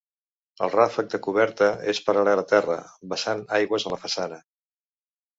El ràfec de coberta és paral·lel a terra, vessant aigües a la façana.